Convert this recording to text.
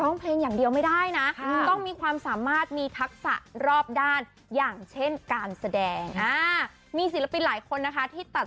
ร้องเพลงอย่างเดียวไม่ได้นะต้องมีความสามารถมีทักษะรอบด้านอย่างเช่นการแสดงมีศิลปินหลายคนนะคะที่ตัด